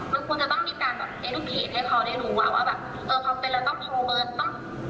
คุณคุณจะต้องมีระบุออนไลน์เป็นอะไรไม่รู้สักอย่างให้เราตามมาเข้าถึงการแสดงข้อมูล